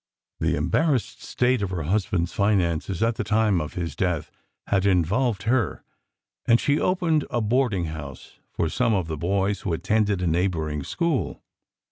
The embarrassed state of her husband's finances at the time of his death had involved her, and she opened a boarding house for some of the boys who attended a neighboring school.